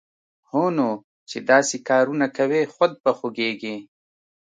هونو چې داسې کارونه کوی، خود به خوږېږې